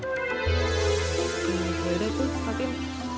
ya udah tuh fatin